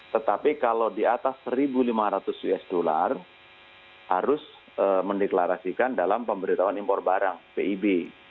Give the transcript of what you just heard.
tetapi kalau di atas satu lima ratus usd harus mendeklarasikan dalam pemberitahuan impor barang pib